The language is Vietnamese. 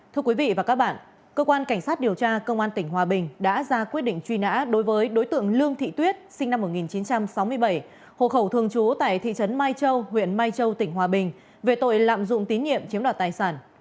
thưa quý vị và các bạn cơ quan cảnh sát điều tra công an tỉnh hòa bình đã ra quyết định truy nã đối với đối tượng lương thị tuyết sinh năm một nghìn chín trăm sáu mươi bảy hộ khẩu thường trú tại thị trấn mai châu huyện mai châu tỉnh hòa bình về tội lạm dụng tín nhiệm chiếm đoạt tài sản